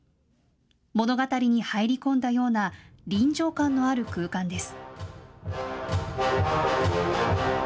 物語に入り込んだような臨場感のある空間です。